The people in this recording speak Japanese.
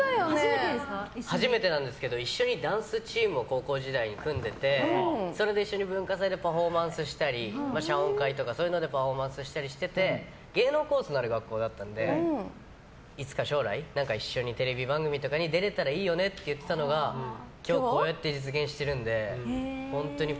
初めてなんですけど一緒にダンスチームを高校時代に組んでてそれで一緒に文化祭でパフォーマンスしたり謝恩会とかそういうのでパフォーマンスしたりしてて芸能コースがある学校だったのでいつか将来一緒にテレビ番組とかに出れたらいいよねって言ってたのが今日、こうやって実現してるので。